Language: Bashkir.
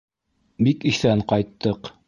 — Бик иҫән ҡайттыҡ.